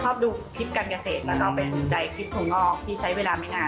ชอบดูคลิปการเกษตรแล้วเราไปสนใจคลิปข้างนอกที่ใช้เวลาไม่นาน